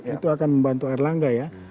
itu akan membantu erlangga ya